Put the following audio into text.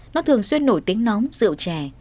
nó thường xuyên nổi tính nóng rượu trẻ